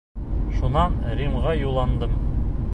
Шунан Римға юлландым.